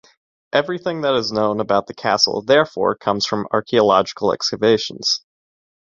Everything that is known about the castle therefore comes from archeological excavations.